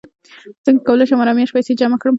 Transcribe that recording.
څنګه کولی شم هره میاشت پیسې جمع کړم